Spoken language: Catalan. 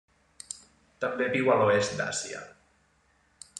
També viu a l'oest d'Àsia.